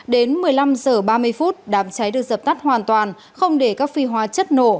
đến một mươi năm h ba mươi đám cháy được dập tắt hoàn toàn không để các phi hóa chất nổ